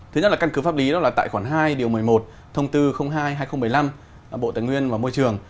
thứ nhất là căn cứ pháp lý đó là tài khoản hai điều một mươi một thông tư hai hai nghìn bảy mươi năm bộ tài nguyên môi trường